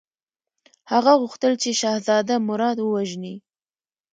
هغه غوښتل چې شهزاده مراد ووژني.